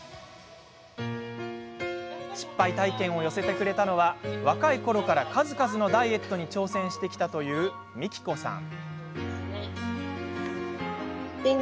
失敗体験を寄せてくれたのは若いころから数々のダイエットに挑戦してきたという、みきこさん。